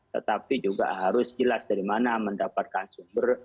tetapi juga harus jelas dari mana mendapatkan sumber